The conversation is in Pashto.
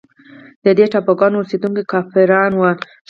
د دې ټاپوګانو اوسېدونکي کافران وه.